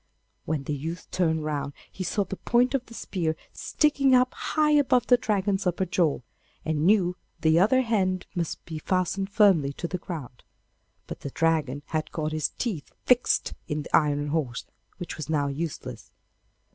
When the youth turned round he saw the point of the spear sticking up high above the Dragon's upper jaw, and knew that the other end must be fastened firmly to the ground; but the Dragon had got his teeth fixed in the iron horse, which was now useless.